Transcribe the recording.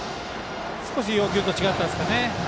少し要求と違ったんですかね。